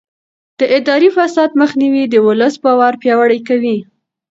د اداري فساد مخنیوی د ولس باور پیاوړی کوي.